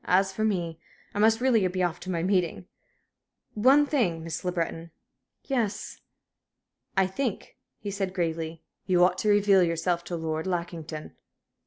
As for me, I must really be off to my meeting. One thing, Miss Le Breton " "Yes." "I think," he said, gravely, "you ought to reveal yourself to Lord Lackington."